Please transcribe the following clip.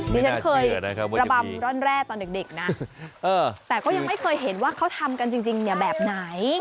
ดิฉันเคยระบำร่อนแร่ตอนเด็กนะแต่ก็ยังไม่เคยเห็นว่าเขาทำกันจริงเนี่ยแบบไหน